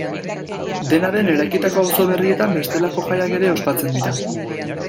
Dena den, eraikitako auzo berrietan, bestelako jaiak ere ospatzen dira.